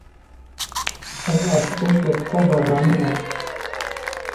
Ez aşiqê keçika Barzanî me!